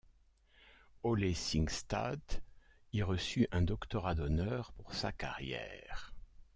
Ole Singstad y reçut un doctorat d'honneur pour sa carrière.